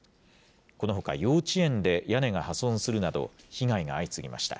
このほか、幼稚園で屋根が破損するなど、被害が相次ぎました。